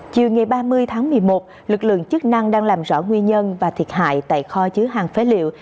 chiều ngày ba mươi tháng một mươi một lực lượng chức năng đang làm rõ nguyên nhân và thiệt hại tại kho chứa hàng phế liệu